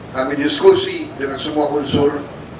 kami diskusi dengan semua unsur